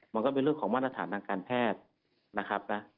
มันก็เป็นเรื่องของมาตรฐานทางการแพทย์